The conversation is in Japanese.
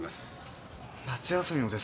夏休みもですか？